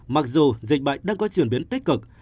mặc dù dịch bệnh đang có chuyển biến tích cực